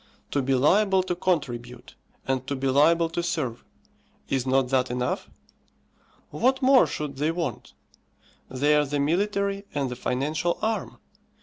To be liable to contribute, and to be liable to serve; is not that enough? What more should they want? They are the military and the financial arm.